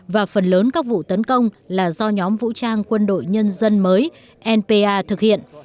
và phần lớn các vụ tấn công là do nhóm vũ trang quân đội nhân dân mới npa thực hiện